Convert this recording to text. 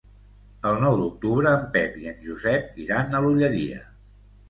El nou d'octubre en Pep i en Josep iran a l'Olleria.